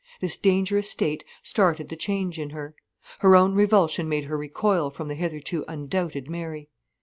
This dangerous state started the change in her. Her own revulsion made her recoil from the hitherto undoubted Mary.